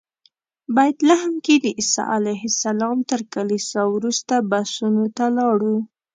بیت لحم کې د عیسی علیه السلام تر کلیسا وروسته بسونو ته لاړو.